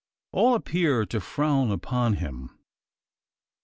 All appear to frown upon him.